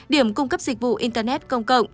điểm cung cấp dịch vụ internet công cộng